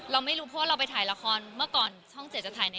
เราไม่รู้เพราะเราไปถ่ายละครเมื่อก่อน